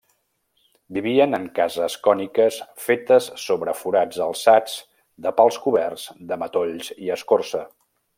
Vivien en cases còniques fetes sobre forats alçats de pals coberts de matolls i escorça.